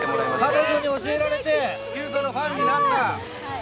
彼女に教えられて、キュウソのファンになった。